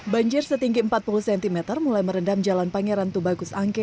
banjir setinggi empat puluh cm mulai merendam jalan pangeran tubagus angke